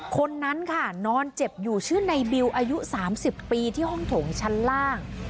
คนนั้นค่ะนอนเจ็บอยู่ชื่อในบิวอายุ๓๐ปีที่ห้องโถงชั้นล่าง